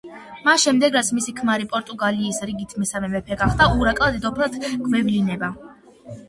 მას შემდეგ, რაც მისი ქმარი პორტუგალიის რიგით მესამე მეფე გახდა, ურაკა დედოფლად გვევლინება.